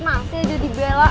masih aja dibela